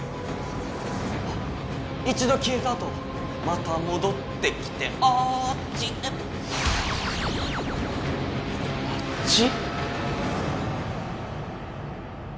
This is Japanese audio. あっ一度きえたあとまたもどってきて「あっちへ」あっち？